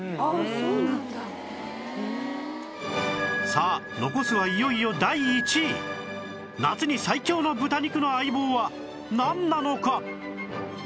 さあ残すはいよいよ第１位夏に最強の豚肉の相棒はなんなのか？